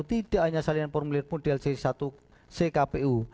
tidak hanya salinan formulir model c satu